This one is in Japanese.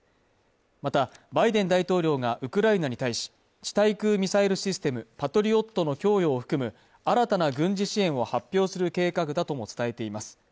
またバイデン大統領がウクライナに対し地対空ミサイルシステムパトリオットの供与を含む新たな軍事支援を発表する計画だとも伝えています